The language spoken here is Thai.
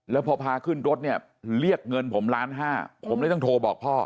แล้วพอพาขึ้นรถเนี่ยเรียกเงินผมล้านห้าผมเลยต้องโทรบอกพ่อ